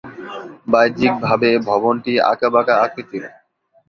বাহ্যিকভাবে ভবনটি আঁকাবাঁকা আকৃতির।